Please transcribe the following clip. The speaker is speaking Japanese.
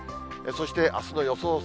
そしてあすの予想